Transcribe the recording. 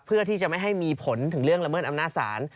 เพื่อที่จะไม่ให้มีผลถึงเรื่องละเมิดอำนาจศาล